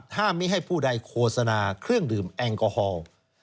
ไม่ให้ผู้ใดโฆษณาเครื่องดื่มแอลกอฮอล์